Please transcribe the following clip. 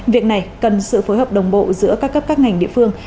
việc này cần sự phối hợp đồng bộ giữa các cấp các ngành địa phương